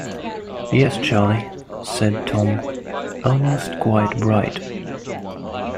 "Yes, Charley," said Tom, "almost quite bright."